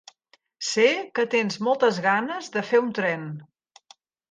Sé que tens moltes ganes de fer un tren.